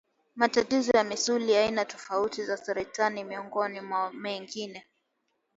matatizo ya misuli aina tofauti za saratani miongoni mwa mengine